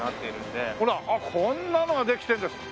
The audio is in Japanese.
ほらこんなのができてるんです。